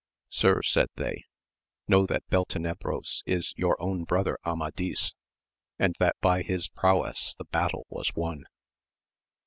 Sir, said they, know that Beltenebros is your own brother Amadis, and that by his prowess the battle was won.